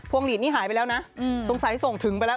หลีดนี่หายไปแล้วนะสงสัยส่งถึงไปแล้ว